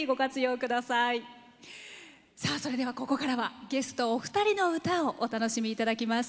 それでは、ここからはゲストお二人の歌をお楽しみいただきます。